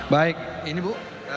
baik ini bu